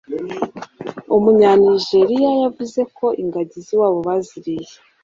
Umunyanijeriya yavuze ko ingagi z'iwabo baziriye